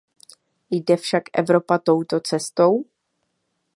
Jde však Evropa touto cestou?